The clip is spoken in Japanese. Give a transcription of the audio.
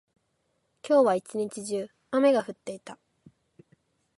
今日は一日中、雨が降っていた。